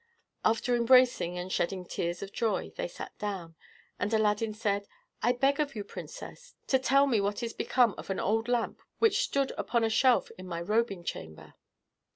After embracing, and shedding tears of joy, they sat down, and Aladdin said, "I beg of you, princess, to tell me what is become of an old lamp which stood upon a shelf in my robing chamber?"